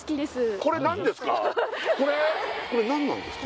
これ何ですか？